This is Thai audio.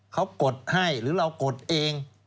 เขากดให้หรือเรากดเอง